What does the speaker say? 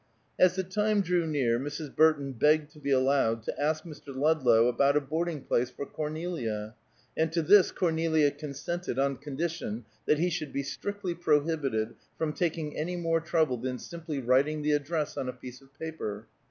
As the time drew near Mrs. Burton begged to be allowed to ask Mr. Ludlow about a boarding place for Cornelia; and to this Cornelia consented on condition that he should be strictly prohibited from taking any more trouble than simply writing the address on a piece of paper.